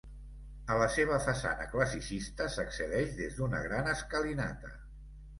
A la seva façana classicista s'accedeix des d'una gran escalinata.